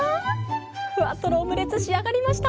ふわとろオムレツ仕上がりました！